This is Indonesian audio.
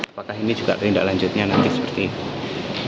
apakah ini juga tindak lanjutnya nanti seperti itu